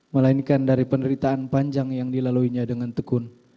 melainkan dari penderitaan panjang yang dilaluinya dengan tekun